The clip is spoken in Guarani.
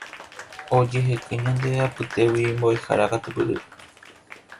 ojehekýi ñande apytégui mbo'ehára katupyry